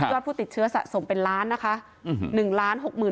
ผู้ติดเชื้อสะสมเป็นล้านนะคะ